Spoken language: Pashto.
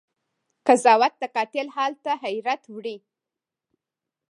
قضاوت د قاتل حال ته حيرت وړی